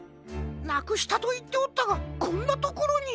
なくしたといっておったがこんなところに。